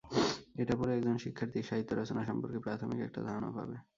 এটা পড়ে একজন শিক্ষার্থী সাহিত্য রচনা সম্পর্কে প্রাথমিক একটা ধারণা পাবে।